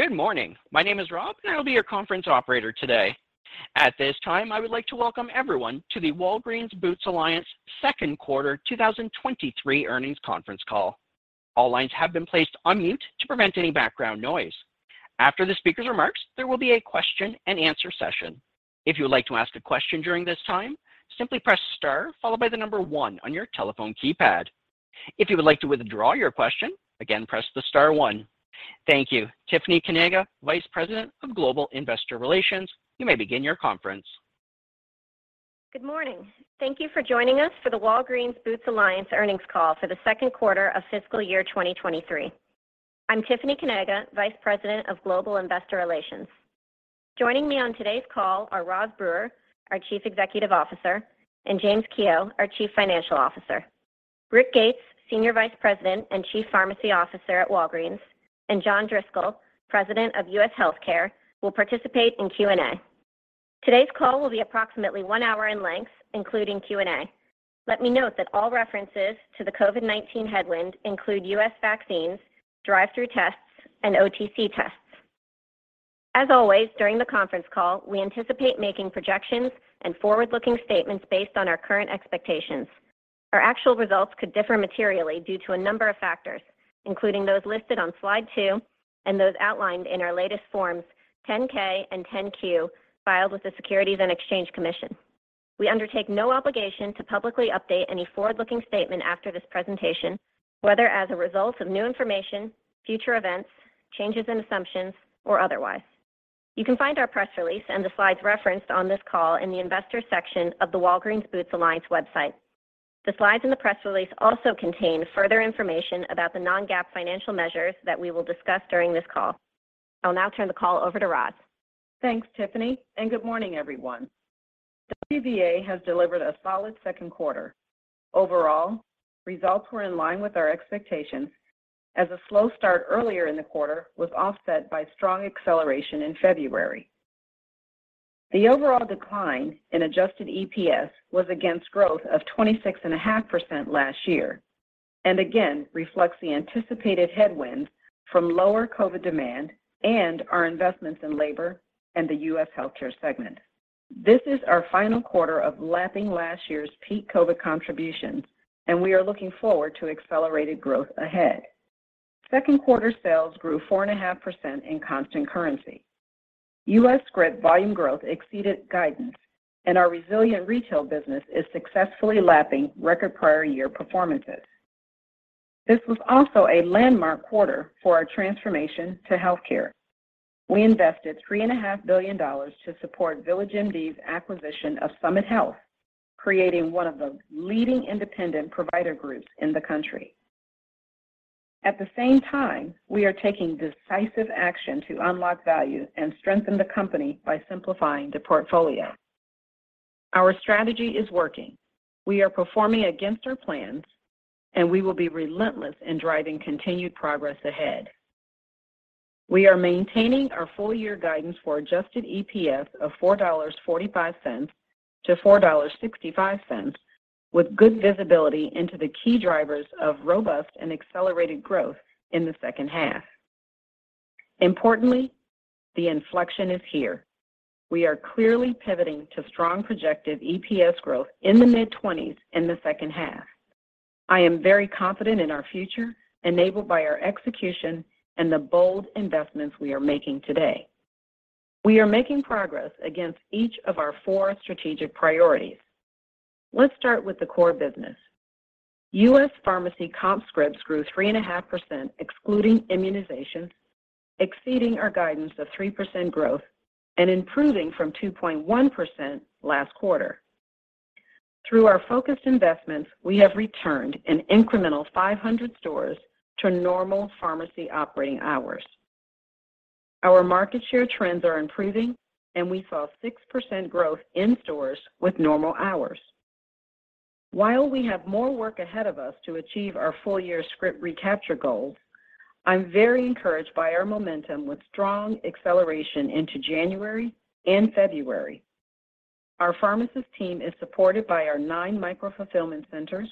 Good morning. My name is Rob. I will be your conference operator today. At this time, I would like to welcome everyone to the Walgreens Boots Alliance Second Quarter 2023 Earnings Conference Call. All lines have been placed on mute to prevent any background noise. After the speaker's remarks, there will be a question-and-answer session. If you would like to ask a question during this time, simply press star followed by one on your telephone keypad. If you would like to withdraw your question, again, press the star one. Thank you. Tiffany Kanaga, Vice President of Global Investor Relations, you may begin your conference. Good morning. Thank you for joining us for the Walgreens Boots Alliance earnings call for the second quarter of fiscal year 2023. I'm Tiffany Kanaga, Vice President of Global Investor Relations. Joining me on today's call are Roz Brewer, our Chief Executive Officer, and James Kehoe, our Chief Financial Officer. Rick Gates, Senior Vice President and Chief Pharmacy Officer at Walgreens, and John Driscoll, President of U.S. Healthcare, will participate in Q&A. Today's call will be approximately one hour in length, including Q&A. Let me note that all references to the COVID-19 headwind include U.S. vaccines, drive-through tests, and OTC tests. As always, during the conference call, we anticipate making projections and forward-looking statements based on our current expectations. Our actual results could differ materially due to a number of factors, including those listed on slide two and those outlined in our latest Forms 10-K and 10-Q filed with the Securities and Exchange Commission. We undertake no obligation to publicly update any forward-loking statement after this presentation, whether as a result of new information, future events, changes in assumptions, or otherwise. You can find our press release and the slides referenced on this ca ll in the investors section of the Walgreens Boots Alliance website. The slides and the press release also contain further information about the non-GAAP financial measures that we will discuss during this call. I'll now turn the call over to Roz. Thanks, Tiffany. Good morning, everyone. WBA has delivered a solid second quarter. Overall, results were in line with our expectations as a slow start earlier in the quarter was offset by strong acceleration in February. The overall decline in adjusted EPS was against growth of 26.5% last year, and again reflects the anticipated headwinds from lower COVID demand and our investments in labor and the U.S. Healthcare segment. This is our final quarter of lapping last year's peak COVID contributions, and we are looking forward to accelerated growth ahead. Second quarter sales grew 4.5% in constant currency. U.S. script volume growth exceeded guidance and our resilient retail business is successfully lapping record prior year performances. This was also a landmark quarter for our transformation to healthcare. We invested $3.5 billion to support VillageMD's acquisition of Summit Health, creating one of the leading independent provider groups in the country. At the same time, we are taking decisive action to unlock value and strengthen the company by simplifying the portfolio. Our strategy is working. We are performing against our plans, and we will be relentless in driving continued progress ahead. We are maintaining our full year guidance for adjusted EPS of $4.45-$4.65 with good visibility into the key drivers of robust and accelerated growth in the second half. Importantly, the inflection is here. We are clearly pivoting to strong projected EPS growth in the mid-20s in the second half. I am very confident in our future, enabled by our execution and the bold investments we are making today. We are making progress against each of our four strategic priorities. Let's start with the core business. U.S. pharmacy comp scripts grew 3.5%, excluding immunizations, exceeding our guidance of 3% growth and improving from 2.1% last quarter. Through our focused investments, we have returned an incremental 500 stores to normal pharmacy operating hours. Our market share trends are improving. We saw 6% growth in stores with normal hours. While we have more work ahead of us to achieve our full-year script recapture goals, I'm very encouraged by our momentum with strong acceleration into January and February. Our pharmacist team is supported by our nine micro-fulfillment centers,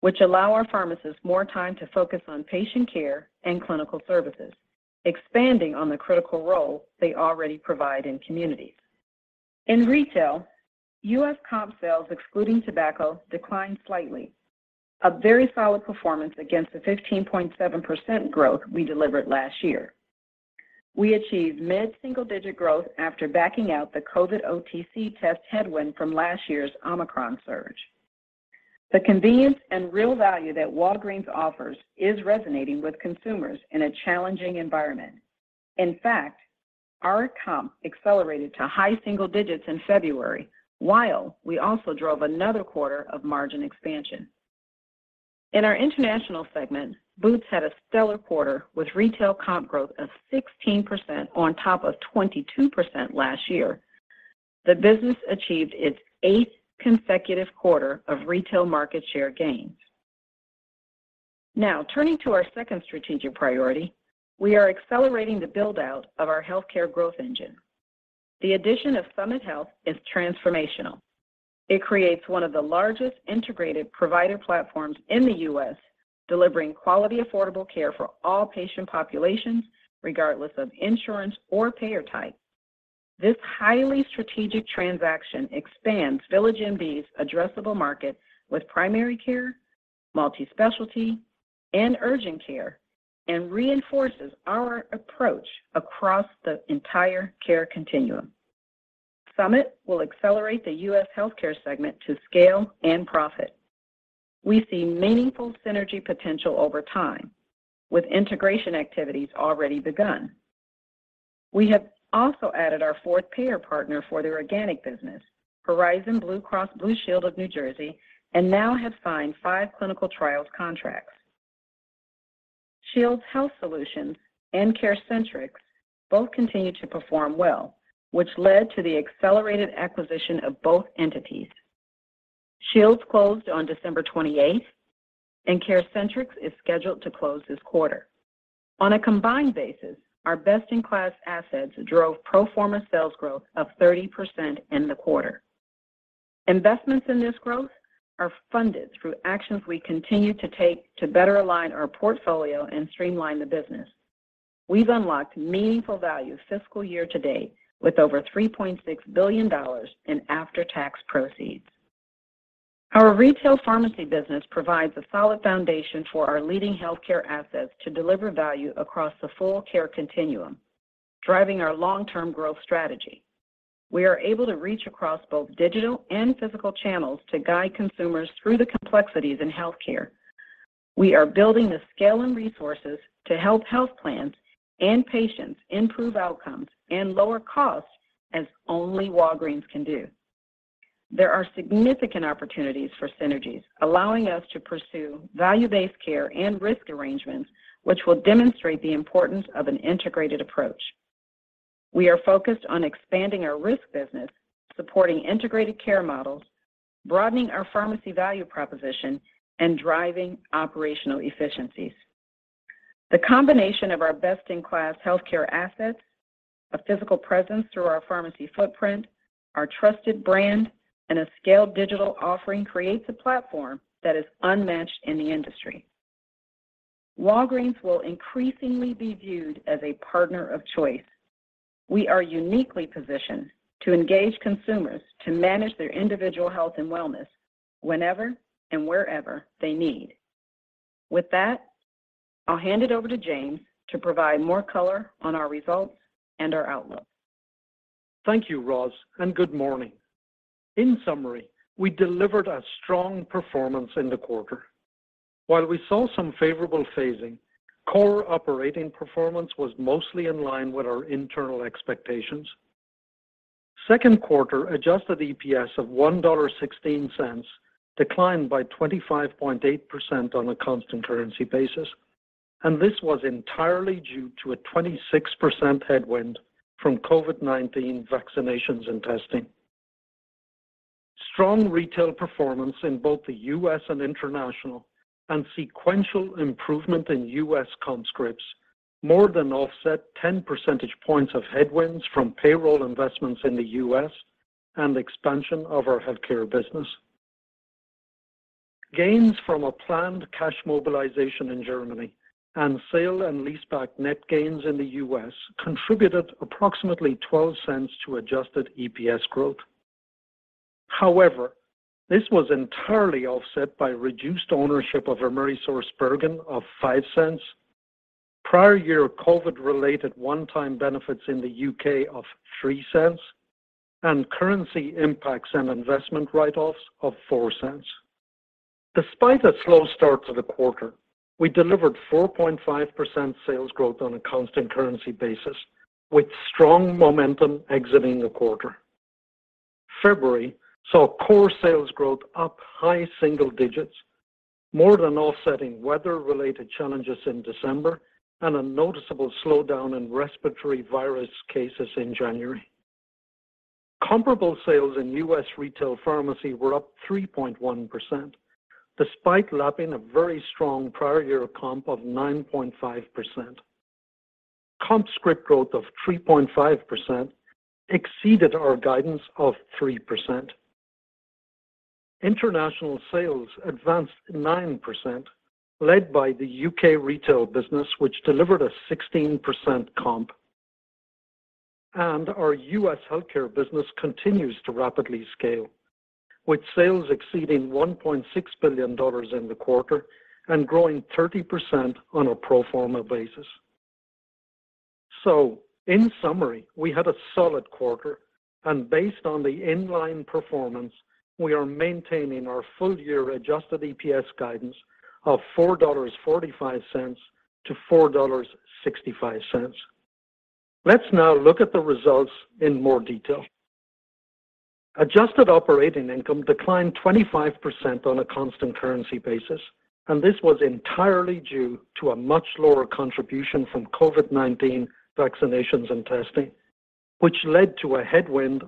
which allow our pharmacists more time to focus on patient care and clinical services, expanding on the critical role they already provide in communities. In retail, U.S. comp sales, excluding tobacco, declined slightly. A very solid performance against the 15.7% growth we delivered last year. We achieved mid-single-digit growth after backing out the COVID-19 OTC test headwind from last year's Omicron surge. The convenience and real value that Walgreens offers is resonating with consumers in a challenging environment. In fact, our comp accelerated to high single digits in February, while we also drove another quarter of margin expansion. In our international segment, Boots had a stellar quarter with retail comp growth of 16% on top of 22% last year. The business achieved its eighth consecutive quarter of retail market share gains. Turning to our second strategic priority, we are accelerating the build-out of our healthcare growth engine. The addition of Summit Health is transformational. It creates one of the largest integrated provider platforms in the U.S., delivering quality, affordable care for all patient populations, regardless of insurance or payer type. This highly strategic transaction expands VillageMD's addressable market with primary care, multi-specialty and urgent care, and reinforces our approach across the entire care continuum. Summit will accelerate the U.S. Healthcare segment to scale and profit. We see meaningful synergy potential over time with integration activities already begun. We have also added our fourth payer partner for the organic business, Horizon Blue Cross Blue Shield of New Jersey, and now have signed five clinical trials contracts. Shields Health Solutions and CareCentrix both continue to perform well, which led to the accelerated acquisition of both entities. Shields closed on December 28th, and CareCentrix is scheduled to close this quarter. On a combined basis, our best-in-class assets drove pro forma sales growth of 30% in the quarter. Investments in this growth are funded through actions we continue to take to better align our portfolio and streamline the business. We've unlocked meaningful value fiscal year to date with over $3.6 billion in after-tax proceeds. Our retail pharmacy business provides a solid foundation for our leading healthcare assets to deliver value across the full care continuum, driving our long-term growth strategy. We are able to reach across both digital and physical channels to guide consumers through the complexities in healthcare. We are building the scale and resources to help health plans and patients improve outcomes and lower costs as only Walgreens can do. There are significant opportunities for synergies, allowing us to pursue value-based care and risk arrangements, which will demonstrate the importance of an integrated approach. We are focused on expanding our risk business, supporting integrated care models, broadening our pharmacy value proposition and driving operational efficiencies. The combination of our best-in-class healthcare assets, a physical presence through our pharmacy footprint, our trusted brand, and a scaled digital offering creates a platform that is unmatched in the industry. Walgreens will increasingly be viewed as a partner of choice. We are uniquely positioned to engage consumers to manage their individual health and wellness whenever and wherever they need. With that, I'll hand it over to James to provide more color on our results and our outlook. Thank you, Roz. Good morning. In summary, we delivered a strong performance in the quarter. While we saw some favorable phasing, core operating performance was mostly in line with our internal expectations. Second quarter adjusted EPS of $1.16 declined by 25.8% on a constant currency basis, and this was entirely due to a 26% headwind from COVID-19 vaccinations and testing. Strong retail performance in both the U.S. and international and sequential improvement in U.S. comp scripts more than offset 10 percentage points of headwinds from payroll investments in the U.S. and expansion of our healthcare business. Gains from a planned cash mobilization in Germany and sale and leaseback net gains in the U.S. contributed approximately $0.12 to adjusted EPS growth. This was entirely offset by reduced ownership of AmerisourceBergen of $0.05, prior year COVID-related one-time benefits in the U.K. of $0.03, and currency impacts and investment write-offs of $0.04. Despite a slow start to the quarter, we delivered 4.5% sales growth on a constant currency basis, with strong momentum exiting the quarter. February saw core sales growth up high single digits, more than offsetting weather-related challenges in December and a noticeable slowdown in respiratory virus cases in January. Comparable sales in U.S. retail pharmacy were up 3.1%, despite lapping a very strong prior year comp of 9.5%. Comp script growth of 3.5% exceeded our guidance of 3%. International sales advanced 9%, led by the U.K. retail business, which delivered a 16% comp. Our U.S. Healthcare business continues to rapidly scale, with sales exceeding $1.6 billion in the quarter and growing 30% on a pro forma basis. In summary, we had a solid quarter and based on the in-line performance, we are maintaining our full-year adjusted EPS guidance of $4.45-$4.65. Let's now look at the results in more detail. Adjusted operating income declined 25% on a constant currency basis, and this was entirely due to a much lower contribution from COVID-19 vaccinations and testing, which led to a headwind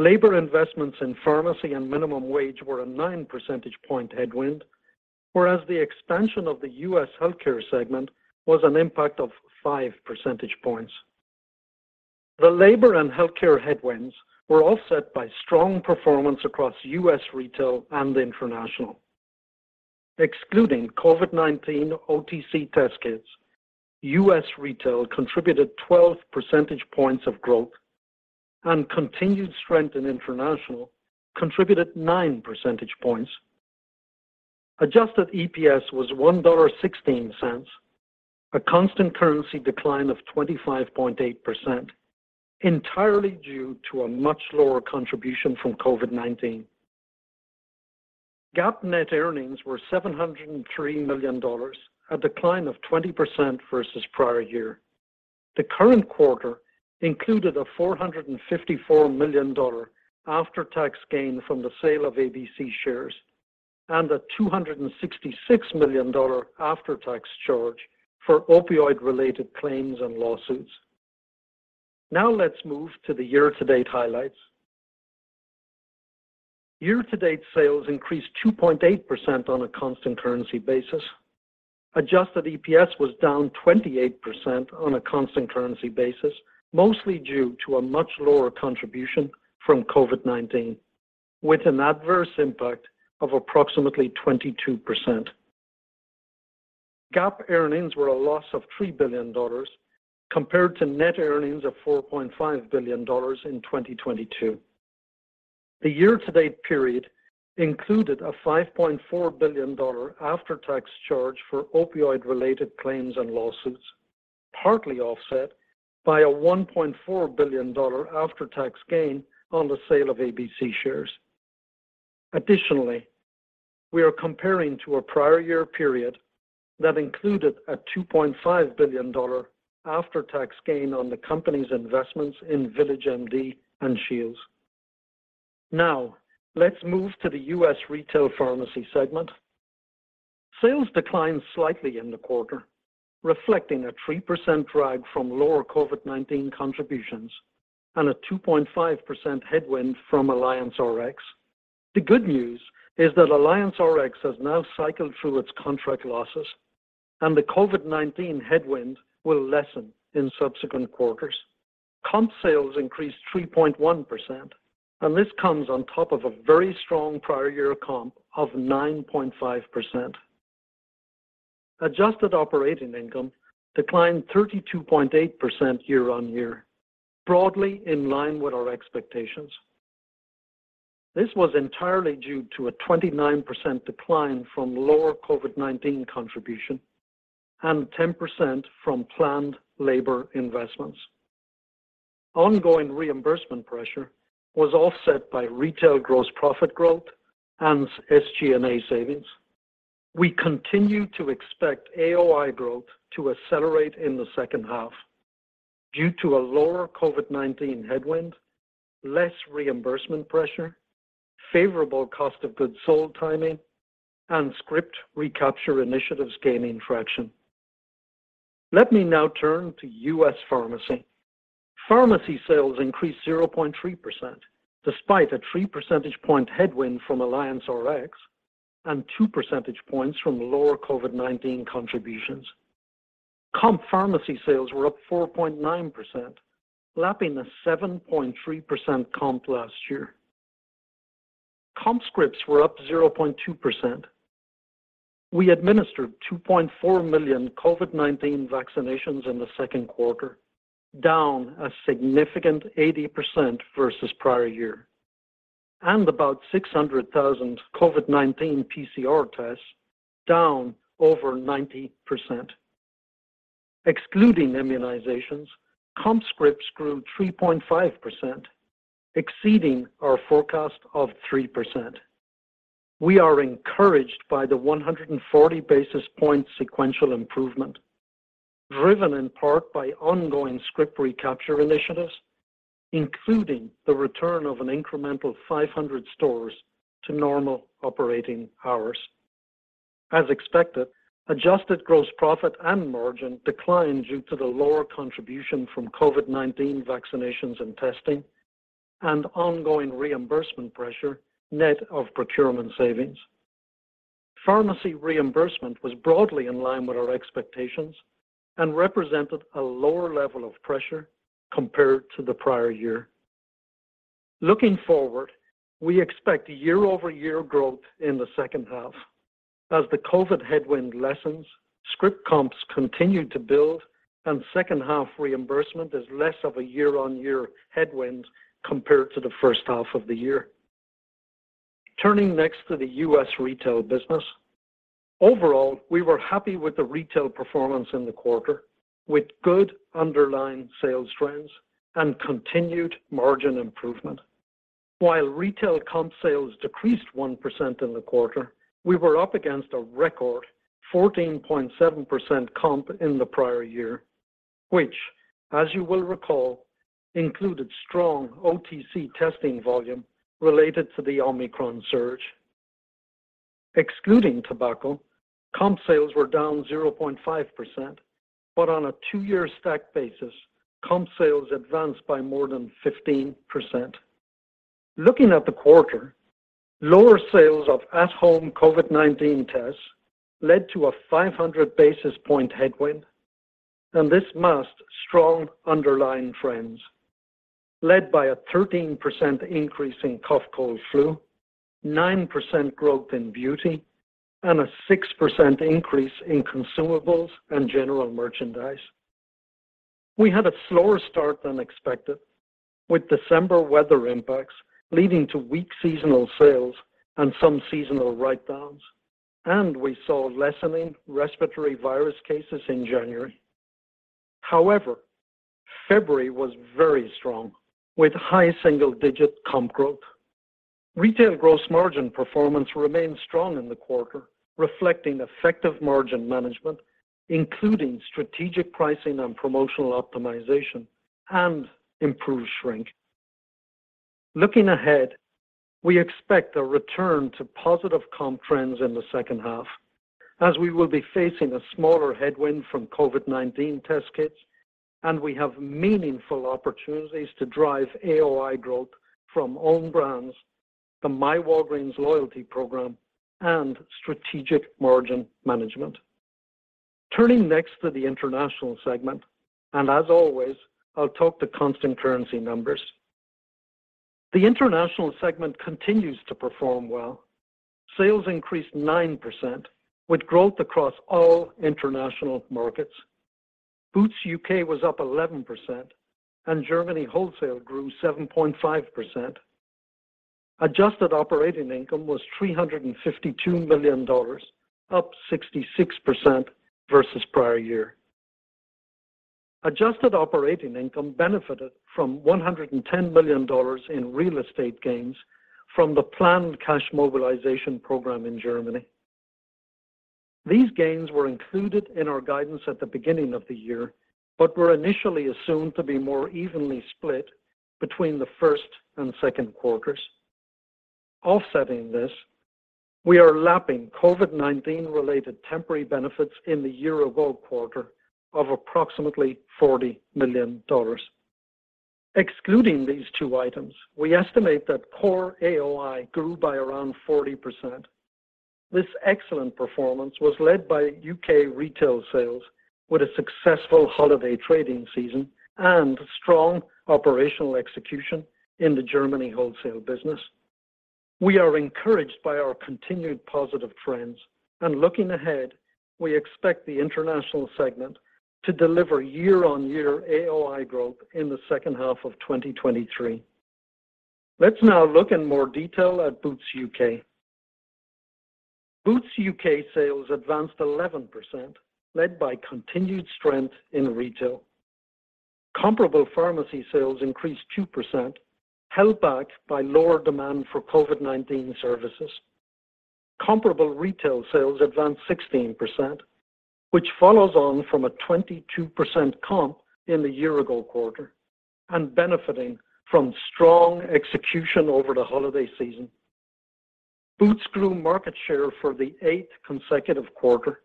of 28%. Labor investments in pharmacy and minimum wage were a 9 percentage point headwind, whereas the expansion of the U.S. Healthcare segment was an impact of 5 percentage points. The labor and healthcare headwinds were offset by strong performance across U.S. Retail and International. Excluding COVID-19 OTC test kits, U.S. Retail contributed 12 percentage points of growth and continued strength in International contributed 9 percentage points. Adjusted EPS was $1.16, a constant currency decline of 25.8%, entirely due to a much lower contribution from COVID-19. GAAP net earnings were $703 million, a decline of 20% versus prior year. The current quarter included a $454 million after-tax gain from the sale of ABC shares and a $266 million after-tax charge for opioid-related claims and lawsuits. Let's move to the year-to-date highlights. Year-to-date sales increased 2.8% on a constant currency basis. Adjusted EPS was down 28% on a constant currency basis, mostly due to a much lower contribution from COVID-19, with an adverse impact of approximately 22%. GAAP earnings were a loss of $3 billion compared to net earnings of $4.5 billion in 2022. The year-to-date period included a $5.4 billion after-tax charge for opioid-related claims and lawsuits, partly offset by a $1.4 billion after-tax gain on the sale of ABC shares. We are comparing to a prior year period that included a $2.5 billion after-tax gain on the company's investments in VillageMD and Shields. Let's move to the U.S. Retail Pharmacy segment. Sales declined slightly in the quarter, reflecting a 3% drag from lower COVID-19 contributions and a 2.5% headwind from AllianceRx. The good news is that AllianceRx has now cycled through its contract losses and the COVID-19 headwind will lessen in subsequent quarters. Comp sales increased 3.1%. This comes on top of a very strong prior year comp of 9.5%. adjusted operating income declined 32.8% year-on-year, broadly in line with our expectations. This was entirely due to a 29% decline from lower COVID-19 contribution and 10% from planned labor investments. Ongoing reimbursement pressure was offset by retail gross profit growth and SG&A savings. We continue to expect AOI growth to accelerate in the second half due to a lower COVID-19 headwind, less reimbursement pressure, favorable cost of goods sold timing, and script recapture initiatives gaining traction. Let me now turn to U.S. Pharmacy. Pharmacy sales increased 0.3% despite a 3 percentage point headwind from AllianceRx and 2 percentage points from lower COVID-19 contributions. Comp pharmacy sales were up 4.9%, lapping a 7.3% comp last year. Comp scripts were up 0.2%. We administered 2.4 million COVID-19 vaccinations in the second quarter, down a significant 80% versus prior year, and about 600,000 COVID-19 PCR tests, down over 90%. Excluding immunizations, comp scripts grew 3.5%, exceeding our forecast of 3%. We are encouraged by the 140 basis point sequential improvement driven in part by ongoing script recapture initiatives, including the return of an incremental 500 stores to normal operating hours. As expected, adjusted gross profit and margin declined due to the lower contribution from COVID-19 vaccinations and testing and ongoing reimbursement pressure net of procurement savings. Pharmacy reimbursement was broadly in line with our expectations and represented a lower level of pressure compared to the prior year. Looking forward, we expect year-over-year growth in the second half as the COVID headwind lessens, script comps continue to build, and second half reimbursement is less of a year-on-year headwind compared to the first half of the year. Turning next to the U.S. Retail business. Overall, we were happy with the retail performance in the quarter with good underlying sales trends and continued margin improvement. While retail comp sales decreased 1% in the quarter, we were up against a record 14.7% comp in the prior year, which, as you will recall, included strong OTC testing volume related to the Omicron surge. Excluding tobacco, comp sales were down 0.5%, but on a two-year stack basis, comp sales advanced by more than 15%. Looking at the quarter, lower sales of at-home COVID-19 tests led to a 500 basis point headwind. This masked strong underlying trends led by a 13% increase in cough, cold, flu, 9% growth in beauty, and a 6% increase in consumables and general merchandise. We had a slower start than expected with December weather impacts leading to weak seasonal sales and some seasonal write-downs. We saw lessening respiratory virus cases in January. However, February was very strong with high single-digit comp growth. Retail gross margin performance remained strong in the quarter, reflecting effective margin management, including strategic pricing and promotional optimization and improved shrink. Looking ahead, we expect a return to positive comp trends in the second half as we will be facing a smaller headwind from COVID-19 test kits, and we have meaningful opportunities to drive AOI growth from own brands, the myWalgreens loyalty program, and strategic margin management. Turning next to the international segment, and as always, I'll talk to constant currency numbers. The international segment continues to perform well. Sales increased 9% with growth across all international markets. Boots UK was up 11% and Germany wholesale grew 7.5%. Adjusted operating income was $352 million, up 66% versus prior year. Adjusted operating income benefited from $110 million in real estate gains from the planned cash mobilization program in Germany. These gains were included in our guidance at the beginning of the year, were initially assumed to be more evenly split between the first and second quarters. Offsetting this, we are lapping COVID-19-related temporary benefits in the year-ago quarter of approximately $40 million. Excluding these two items, we estimate that core AOI grew by around 40%. This excellent performance was led by U.K. retail sales with a successful holiday trading season and strong operational execution in the Germany wholesale business. We are encouraged by our continued positive trends looking ahead, we expect the international segment to deliver year-on-year AOI growth in the second half of 2023. Let's now look in more detail at Boots U.K. Boots U.K. sales advanced 11%, led by continued strength in retail. Comparable pharmacy sales increased 2%, held back by lower demand for COVID-19 services. Comparable retail sales advanced 16%, which follows on from a 22% comp in the year-ago quarter and benefiting from strong execution over the holiday season. Boots grew market share for the eighth consecutive quarter,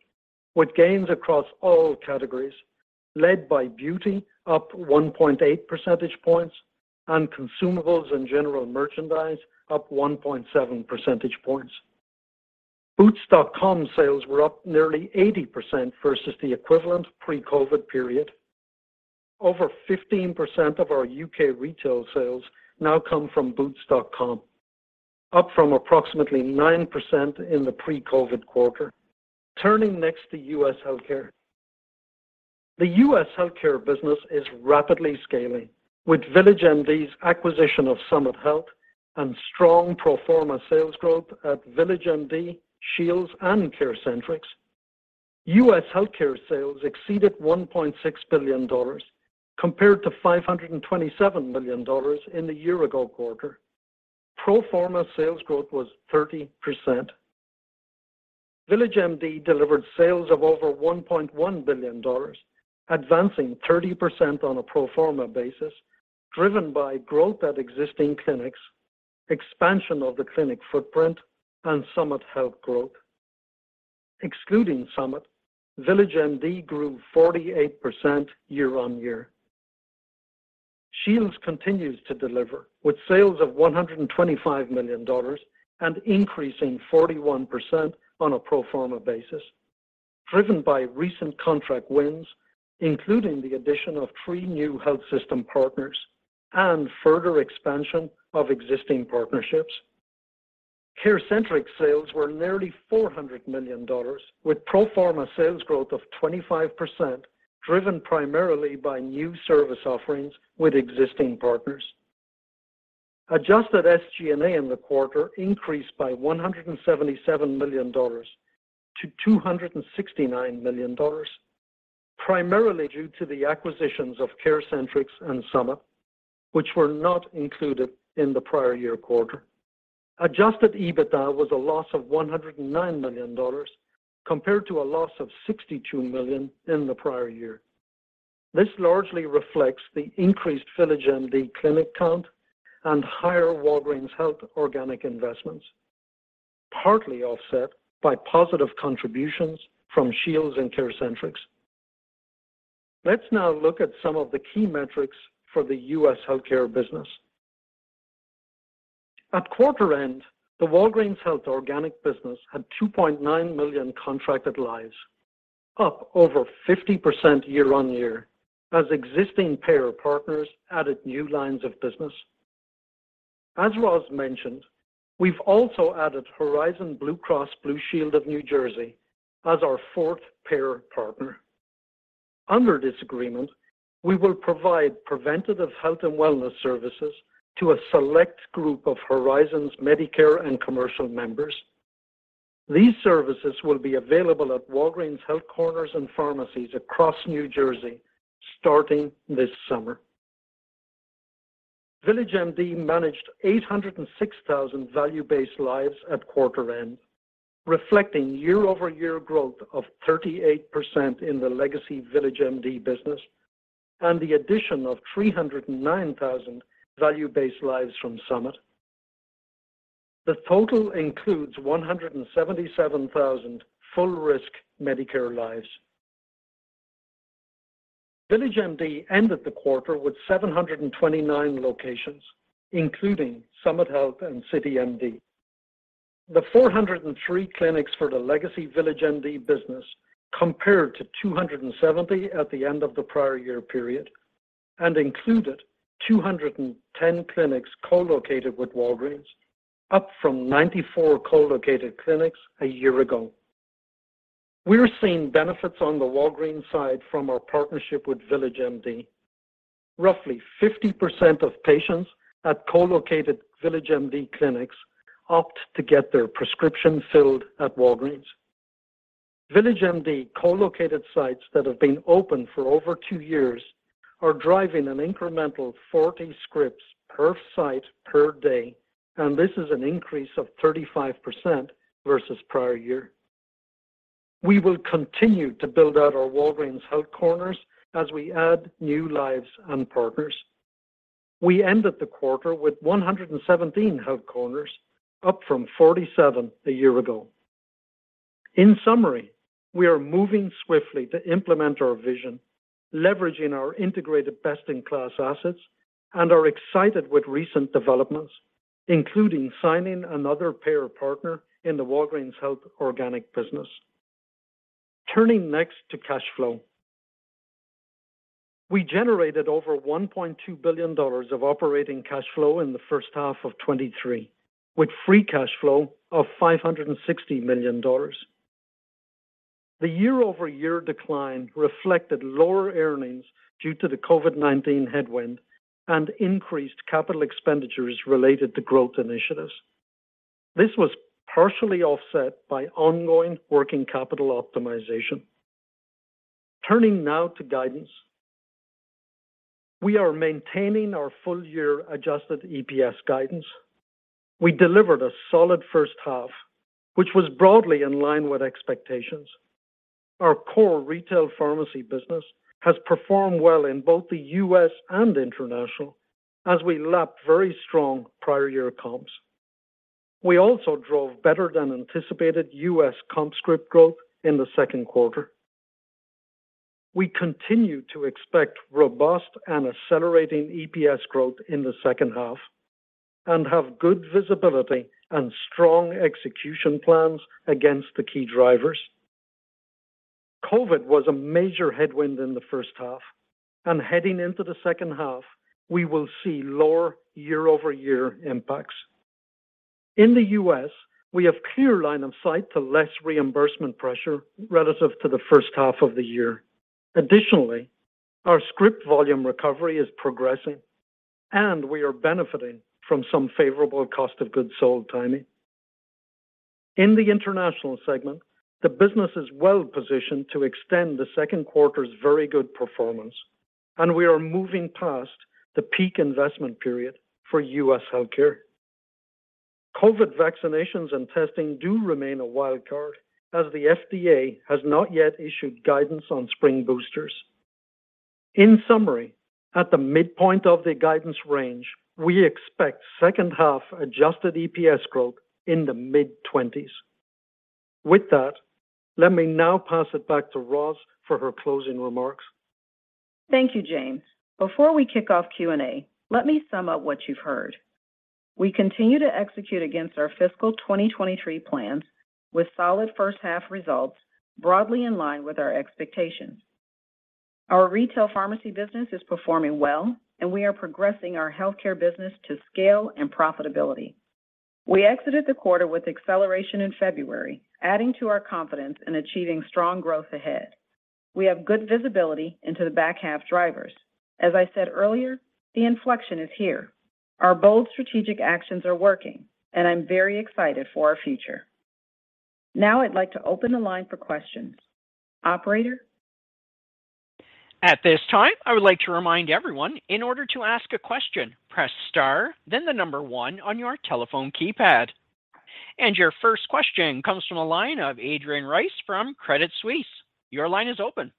with gains across all categories led by beauty up 1.8 percentage points and consumables and general merchandise up 1.7 percentage points. Boots.com sales were up nearly 80% versus the equivalent pre-COVID period. Over 15% of our U.K. retail sales now come from Boots.com, up from approximately 9% in the pre-COVID quarter. Turning next to U.S. healthcare. The U.S. healthcare business is rapidly scaling with VillageMD's acquisition of Summit Health and strong pro forma sales growth at VillageMD, Shields, and CareCentrix. U.S. healthcare sales exceeded $1.6 billion compared to $527 million in the year-ago quarter. Pro forma sales growth was 30%. VillageMD delivered sales of over $1.1 billion, advancing 30% on a pro forma basis, driven by growth at existing clinics, expansion of the clinic footprint, and Summit Health growth. Excluding Summit, VillageMD grew 48% year-on-year. Shields continues to deliver with sales of $125 million and increasing 41% on a pro forma basis, driven by recent contract wins, including the addition of 3 new health system partners and further expansion of existing partnerships. CareCentrix sales were nearly $400 million, with pro forma sales growth of 25%, driven primarily by new service offerings with existing partners. Adjusted SG&A in the quarter increased by $177 million to $269 million, primarily due to the acquisitions of CareCentrix and Summit, which were not included in the prior year quarter. Adjusted EBITDA was a loss of $109 million compared to a loss of $62 million in the prior year. This largely reflects the increased VillageMD clinic count and higher Walgreens Health organic investments, partly offset by positive contributions from Shields and CareCentrix. Let's now look at some of the key metrics for the U.S. Healthcare business. At quarter end, the Walgreens Health organic business had 2.9 million contracted lives, up over 50% year-on-year as existing payer partners added new lines of business. As Roz mentioned, we've also added Horizon Blue Cross Blue Shield of New Jersey as our fourth payer partner. Under this agreement, we will provide preventative health and wellness services to a select group of Horizon's Medicare and commercial members. These services will be available at Walgreens Health Corners and pharmacies across New Jersey starting this summer. VillageMD managed 806,000 value-based lives at quarter-end, reflecting year-over-year growth of 38% in the legacy VillageMD business and the addition of 309,000 value-based lives from Summit. The total includes 177,000 full risk Medicare lives. VillageMD ended the quarter with 729 locations, including Summit Health and CityMD. The 403 clinics for the legacy VillageMD business compared to 270 at the end of the prior year period, and included 210 clinics co-located with Walgreens, up from 94 co-located clinics a year ago. We're seeing benefits on the Walgreens side from our partnership with VillageMD. Roughly 50% of patients at co-located VillageMD clinics opt to get their prescriptions filled at Walgreens. VillageMD co-located sites that have been open for over two years are driving an incremental 40 scripts per site per day. This is an increase of 35% versus prior year. We will continue to build out our Walgreens Health Corners as we add new lives and partners. We ended the quarter with 117 Health Corners, up from 47 a year ago. In summary, we are moving swiftly to implement our vision, leveraging our integrated best-in-class assets, and are excited with recent developments, including signing another payer partner in the Walgreens Health organic business. Turning next to cash flow. We generated over $1.2 billion of operating cash flow in the first half of 2023, with free cash flow of $560 million. The year-over-year decline reflected lower earnings due to the COVID-19 headwind and increased capital expenditures related to growth initiatives. This was partially offset by ongoing working capital optimization. Turning now to guidance. We are maintaining our full year adjusted EPS guidance. We delivered a solid first half, which was broadly in line with expectations. Our core retail pharmacy business has performed well in both the U.S. and international as we lapped very strong prior year comps. We also drove better than anticipated U.S. comp script growth in the second quarter. We continue to expect robust and accelerating EPS growth in the second half and have good visibility and strong execution plans against the key drivers. COVID was a major headwind in the first half. Heading into the second half, we will see lower year-over-year impacts. In the U.S., we have clear line of sight to less reimbursement pressure relative to the first half of the year. Additionally, our script volume recovery is progressing, and we are benefiting from some favorable cost of goods sold timing. In the international segment, the business is well positioned to extend the second quarter's very good performance, and we are moving past the peak investment period for U.S. healthcare. COVID vaccinations and testing do remain a wild card as the FDA has not yet issued guidance on spring boosters. In summary, at the midpoint of the guidance range, we expect second half adjusted EPS growth in the mid-20s. With that, let me now pass it back to Roz for her closing remarks. Thank you, James. Before we kick off Q&A, let me sum up what you've heard. We continue to execute against our fiscal 2023 plans with solid first half results broadly in line with our expectations. Our retail pharmacy business is performing well and we are progressing our healthcare business to scale and profitability. We exited the quarter with acceleration in February, adding to our confidence in achieving strong growth ahead. We have good visibility into the back half drivers. As I said earlier, the inflection is here. Our bold strategic actions are working, and I'm very excited for our future. Now I'd like to open the line for questions. Operator? At this time, I would like to remind everyone in order to ask a question, press star, then the one on your telephone keypad. Your first question comes from a line of A.J. Rice from Credit Suisse. Your line is open.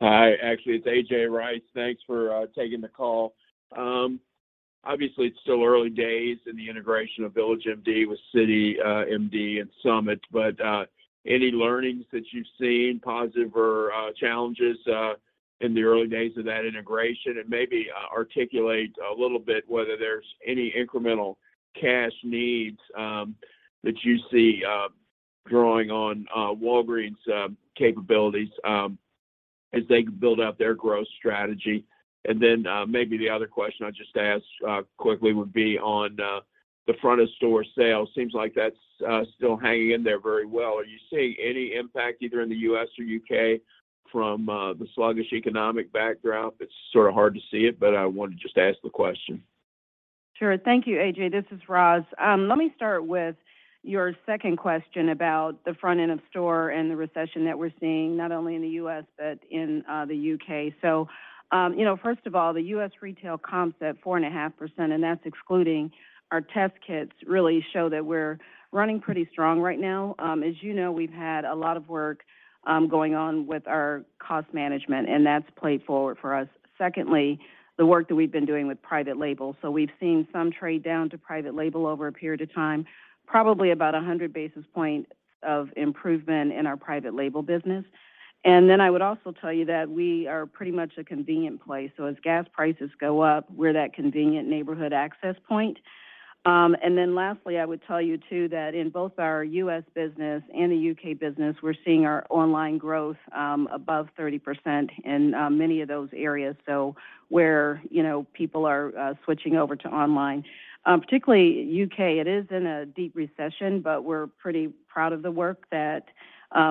Hi. Actually, it's A.J. Rice. Thanks for taking the call. Obviously, it's still early days in the integration of VillageMD with CityMD and Summit, but any learnings that you've seen, positive or challenges, in the early days of that integration? Maybe articulate a little bit whether there's any incremental cash needs that you see drawing on Walgreens' capabilities as they build out their growth strategy. Maybe the other question I'll just ask quickly would be on the front-end store sales. Seems like that's still hanging in there very well. Are you seeing any impact either in the U.S. or U.K. from the sluggish economic background? It's sort of hard to see it, but I wanted to just ask the question. Sure. Thank you, A.J. This is Roz. Let me start with your second question about the front-end of store and the recession that we're seeing, not only in the U.S., but in the U.K. You know, first of all, the U.S. retail comps at 4.5%, and that's excluding our test kits, really show that we're running pretty strong right now. As you know, we've had a lot of work going on with our cost management, and that's played forward for us. Secondly, the work that we've been doing with private label. We've seen some trade down to private label over a period of time. Probably about 100 basis points of improvement in our private label business. I would also tell you that we are pretty much a convenient place. As gas prices go up, we're that convenient neighborhood access point. Lastly, I would tell you, too, that in both our U.S. business and the U.K. business, we're seeing our online growth above 30% in many of those areas. Where, you know, people are switching over to online. Particularly U.K., it is in a deep recession, we're pretty proud of the work that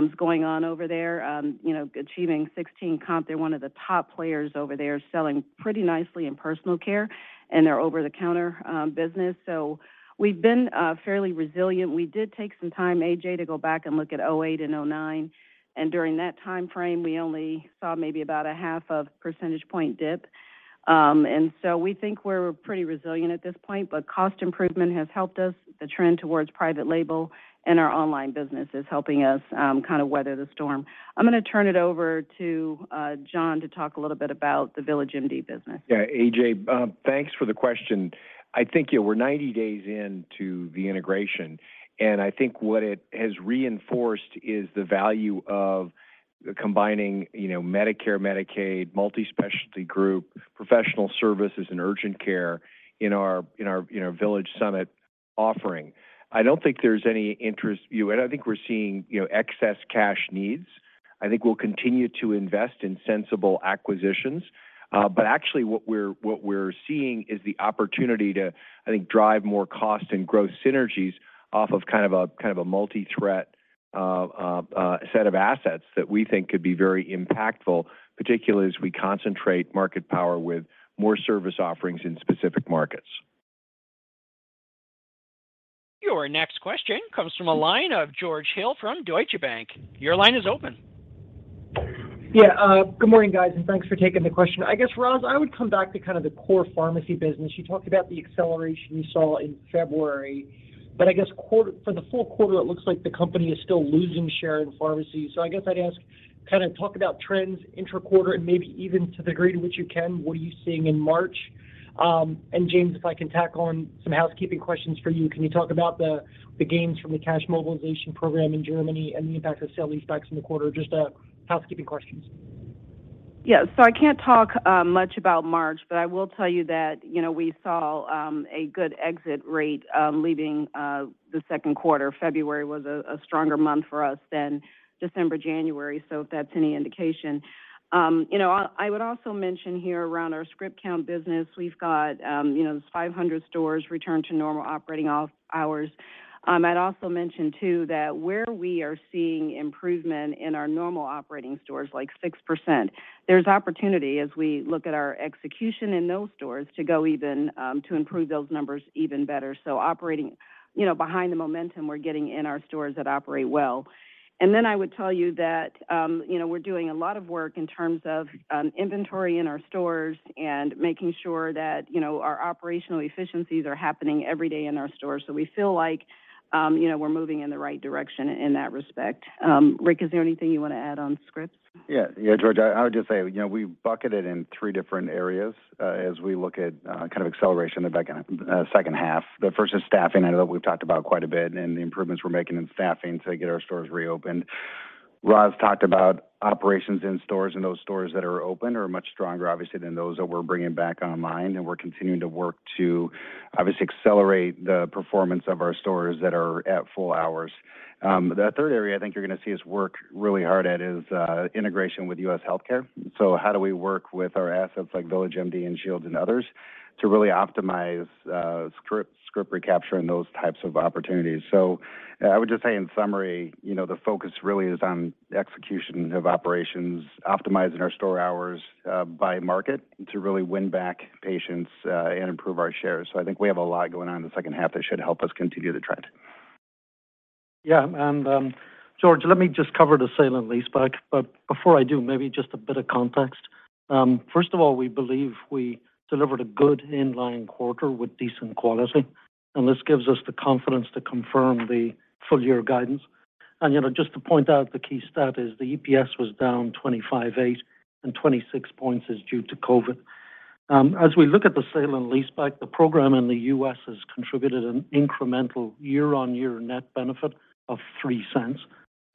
is going on over there. You know, achieving 16 comp. They're one of the top players over there selling pretty nicely in personal care and their over-the-counter business. We've been fairly resilient. We did take some time, AJ, to go back and look at 2008 and 2009, during that timeframe, we only saw maybe about a half a percentage point dip. We think we're pretty resilient at this point. Cost improvement has helped us, the trend towards private label, and our online business is helping us, kinda weather the storm. I'm gonna turn it over to John to talk a little bit about the VillageMD business. Yeah. A.J., thanks for the question. I think, yeah, we're 90 days into the integration, and I think what it has reinforced is the value of combining, you know, Medicare, Medicaid, multi-specialty group, professional services, and urgent care in our Village Summit offering. I don't think there's any interest. I think we're seeing, you know, excess cash needs. I think we'll continue to invest in sensible acquisitions. Actually what we're seeing is the opportunity to, I think, drive more cost and growth synergies off of kind of a multi-threat set of assets that we think could be very impactful, particularly as we concentrate market power with more service offerings in specific markets. Your next question comes from a line of George Hill from Deutsche Bank. Your line is open. Good morning, guys, thanks for taking the question. I guess, Roz, I would come back to kind of the core pharmacy business. You talked about the acceleration you saw in February. I guess for the full quarter, it looks like the company is still losing share in pharmacy. I guess I'd ask, kind of talk about trends inter-quarter and maybe even to the degree to which you can, what are you seeing in March. James, if I can tack on some housekeeping questions for you, can you talk about the gains from the cash mobilization program in Germany and the impact of sale leasebacks in the quarter? Just housekeeping questions. Yeah. I can't talk much about March, but I will tell you that, you know, we saw a good exit rate leaving the second quarter. February was a stronger month for us than December, January, if that's any indication. You know, I would also mention here around our script count business, we've got, you know, 500 stores return to normal operating hours. I'd also mention, too, that where we are seeing improvement in our normal operating stores, like 6%, there's opportunity as we look at our execution in those stores to go even to improve those numbers even better. Operating, you know, behind the momentum we're getting in our stores that operate well. I would tell you that, you know, we're doing a lot of work in terms of inventory in our stores and making sure that, you know, our operational efficiencies are happening every day in our stores. We feel like, you know, we're moving in the right direction in that respect. Rick, is there anything you wanna add on scripts? Yeah, George, I would just say, you know, we bucketed in three different areas, as we look at kind of acceleration in the back in second half. The first is staffing. I know that we've talked about quite a bit and the improvements we're making in staffing to get our stores reopened. Roz talked about operations in stores, and those stores that are open are much stronger, obviously, than those that we're bringing back online. We're continuing to work to, obviously, accelerate the performance of our stores that are at full hours. The third area I think you're gonna see us work really hard at is integration with U.S. Healthcare. How do we work with our assets like VillageMD and Shields and others to really optimize script recapture and those types of opportunities. I would just say, in summary, you know, the focus really is on execution of operations, optimizing our store hours by market to really win back patients and improve our shares. I think we have a lot going on in the second half that should help us continue the trend. Yeah. George, let me just cover the sale and leaseback. Before I do, maybe just a bit of context. First of all, we believe we delivered a good in-line quarter with decent quality. This gives us the confidence to confirm the full year guidance. You know, just to point out the key stat is the EPS was down 25.8 and 26 points is due to COVID. As we look at the sale and leaseback, the program in the U.S. has contributed an incremental year-on-year net benefit of $0.03.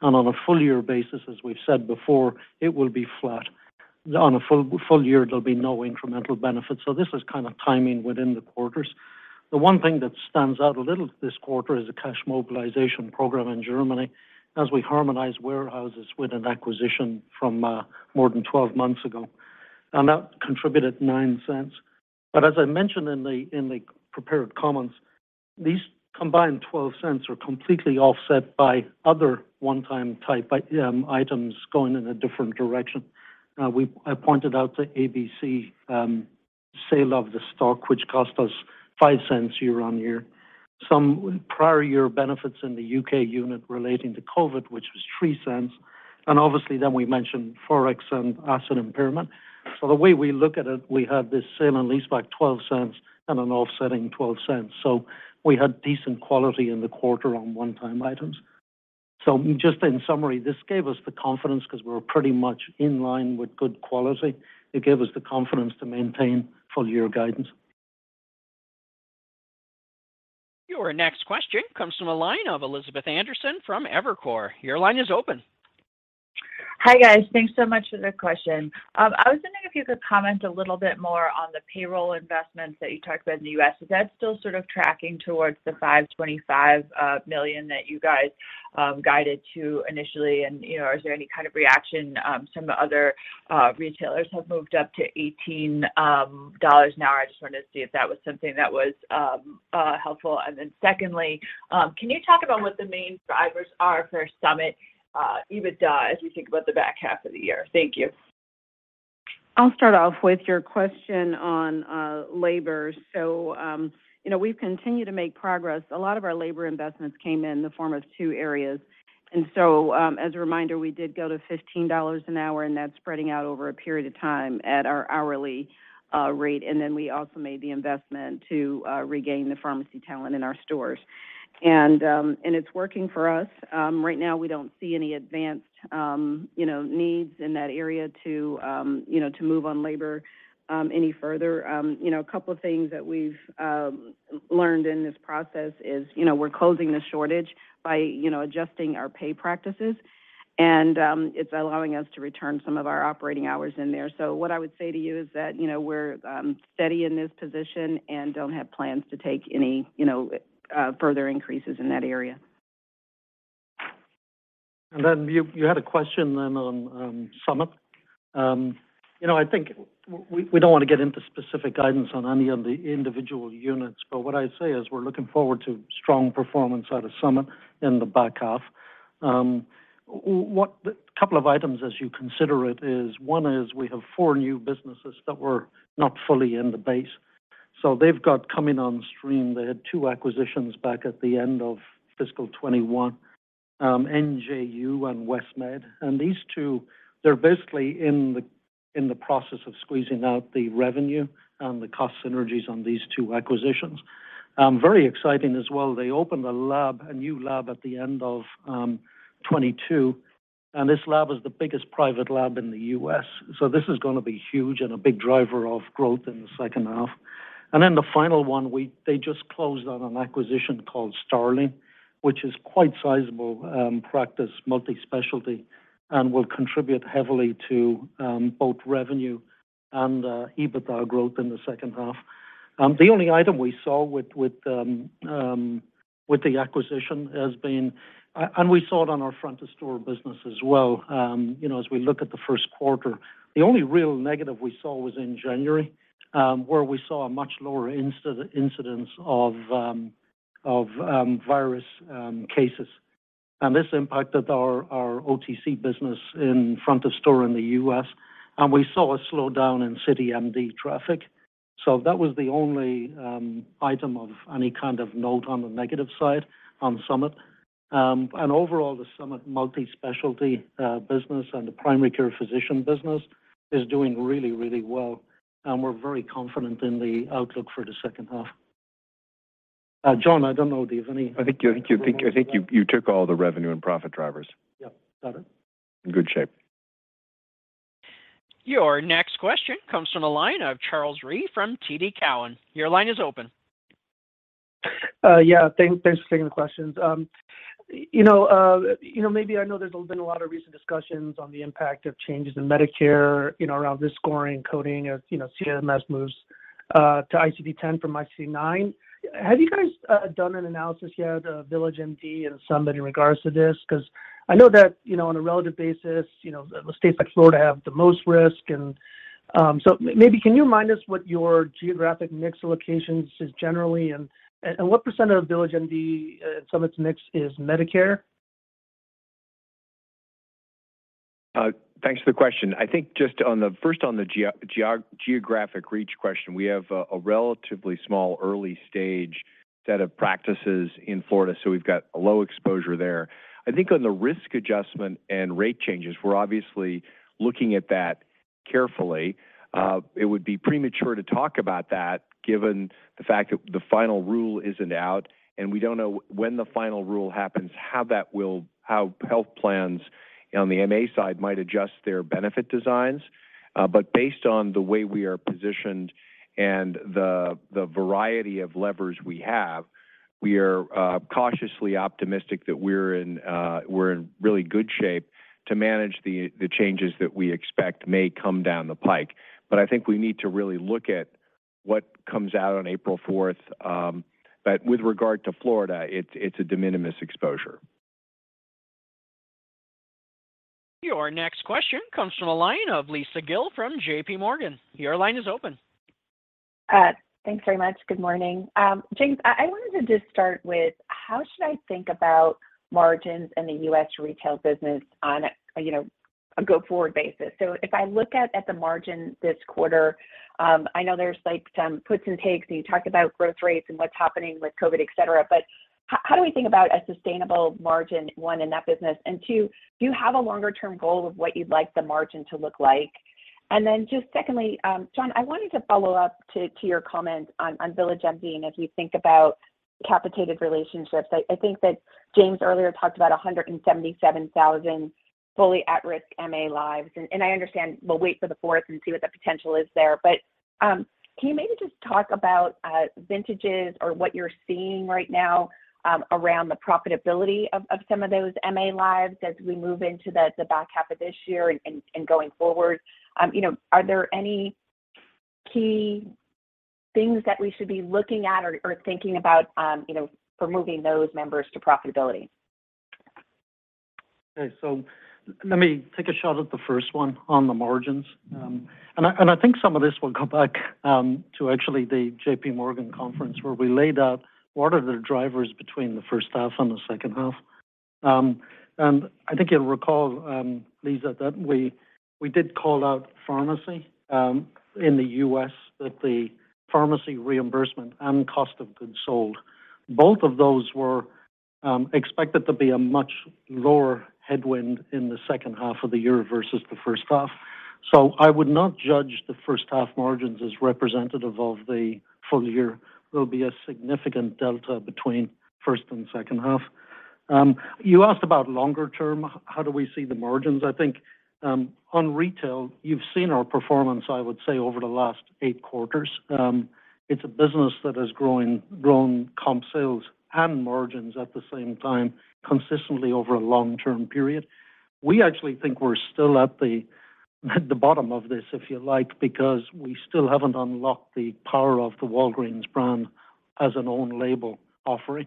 On a full year basis, as we've said before, it will be flat. On a full year, there'll be no incremental benefit. This is kind of timing within the quarters. The one thing that stands out a little this quarter is the cash mobilization program in Germany as we harmonize warehouses with an acquisition from more than 12 months ago. That contributed $0.09. As I mentioned in the prepared comments, these combined $0.12 are completely offset by other one-time type items going in a different direction. I pointed out the ABC sale of the stock, which cost us $0.05 year-on-year. Some prior year benefits in the Boots UK unit relating to COVID-19, which was $0.03. Obviously then we mentioned Forex and asset impairment. The way we look at it, we had this sale and leaseback $0.12 and an offsetting $0.12. We had decent quality in the quarter on one-time items. Just in summary, this gave us the confidence because we're pretty much in line with good quality. It gave us the confidence to maintain full year guidance. Your next question comes from a line of Elizabeth Anderson from Evercore. Your line is open. Hi, guys. Thanks so much for the question. I was wondering if you could comment a little bit more on the payroll investments that you talked about in the U.S. Is that still sort of tracking towards the $525 million that you guys guided to initially? You know, is there any kind of reaction, some of the other retailers have moved up to $18 an hour. I just wanted to see if that was something that was helpful. Secondly, can you talk about what the main drivers are for Summit EBITDA as we think about the back half of the year? Thank you. I'll start off with your question on labor. You know, we've continued to make progress. A lot of our labor investments came in the form of two areas. As a reminder, we did go to $15 an hour, and that's spreading out over a period of time at our hourly rate. We also made the investment to regain the pharmacy talent in our stores. It's working for us. Right now we don't see any advanced, you know, needs in that area to, you know, to move on labor any further. You know, a couple of things that we've learned in this process is, you know, we're closing the shortage by, you know, adjusting our pay practices. It's allowing us to return some of our operating hours in there. What I would say to you is that, you know, we're steady in this position and don't have plans to take any, you know, further increases in that area. You had a question on Summit. You know, I think we don't want to get into specific guidance on any of the individual units. What I'd say is we're looking forward to strong performance out of Summit in the back half. A couple of items as you consider it is, one is we have four new businesses that were not fully in the base. They've got coming on stream. They had two acquisitions back at the end of fiscal 2021, NJU and Westmed. These two, they're basically in the process of squeezing out the revenue and the cost synergies on these two acquisitions. Very exciting as well. They opened a lab, a new lab at the end of 2022, and this lab is the biggest private lab in the U.S. This is gonna be huge and a big driver of growth in the second half. The final one, they just closed on an acquisition called Starling, which is quite sizable, practice multi-specialty and will contribute heavily to both revenue and EBITDA growth in the second half. The only item we saw with the acquisition, and we saw it on our front of store business as well, you know, as we look at the first quarter. The only real negative we saw was in January, where we saw a much lower incidence of virus cases. This impacted our OTC business in front of store in the US, and we saw a slowdown in CityMD traffic. That was the only item of any kind of note on the negative side on Summit. Overall, the Summit multi-specialty business and the primary care physician business is doing really, really well. We're very confident in the outlook for the second half. John, I don't know if you have. I think you took all the revenue and profit drivers. Yeah. Got it. In good shape. Your next question comes from the line of Charles Rhyee from TD Cowen. Your line is open. Yeah. Thanks for taking the questions. You know, you know, maybe I know there's been a lot of recent discussions on the impact of changes in Medicare, you know, around this scoring and coding as, you know, CMS moves to ICD-10 from ICD-9. Have you guys done an analysis yet of Village MD and Summit in regards to this? I know that, you know, on a relative basis, you know, states like Florida have the most risk. Maybe can you remind us what your geographic mix of locations is generally and what % of Village MD and Summit's mix is Medicare? Thanks for the question. I think just on the geographic reach question, we have a relatively small early stage set of practices in Florida, so we've got a low exposure there. I think on the risk adjustment and rate changes, we're obviously looking at that carefully. It would be premature to talk about that given the fact that the final rule isn't out, and we don't know when the final rule happens, how that will how health plans on the MA side might adjust their benefit designs. But based on the way we are positioned and the variety of levers we have, we are cautiously optimistic that we're in really good shape to manage the changes that we expect may come down the pike. I think we need to really look at what comes out on April 4th. With regard to Florida, it's a de minimis exposure. Your next question comes from the line of Lisa Gill from JPMorgan. Your line is open. Thanks very much. Good morning. James, I wanted to just start with, how should I think about margins in the U.S. retail business on a, you know, a go-forward basis? If I look at the margin this quarter, I know there's, like, some puts and takes, and you talk about growth rates and what's happening with COVID, et cetera. How do we think about a sustainable margin, one, in that business? Two, do you have a longer-term goal of what you'd like the margin to look like? Just secondly, John, I wanted to follow up to your comment on VillageMD. As we think about capitated relationships, I think that James earlier talked about 177,000 fully at-risk MA lives. I understand we'll wait for the 4th and see what the potential is there. Can you maybe just talk about vintages or what you're seeing right now, around the profitability of some of those MA lives as we move into the back half of this year and going forward? You know, are there any key things that we should be looking at or thinking about, you know, for moving those members to profitability? Okay. Let me take a shot at the first one on the margins. I, and I think some of this will come back to actually the JPMorgan conference where we laid out what are the drivers between the first half and the second half. I think you'll recall, Lisa, that we did call out pharmacy in the U.S., that the pharmacy reimbursement and cost of goods sold, both of those were expected to be a much lower headwind in the second half of the year versus the first half. I would not judge the first half margins as representative of the full year. There'll be a significant delta between first and second half. You asked about longer term, how do we see the margins? I think on retail, you've seen our performance, I would say, over the last eight quarters. It's a business that has grown comp sales and margins at the same time consistently over a long-term period. We actually think we're still at the bottom of this, if you like, because we still haven't unlocked the power of the Walgreens brand as an own label offering.